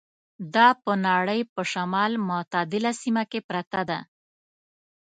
دا په نړۍ په شمال متعدله سیمه کې پرته ده.